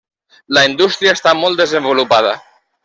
La indústria està molt desenvolupada.